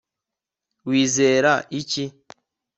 wizera iki